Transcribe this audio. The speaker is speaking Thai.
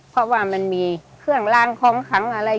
เพราะว่ามันมีเครื่องล้างของขังอะไร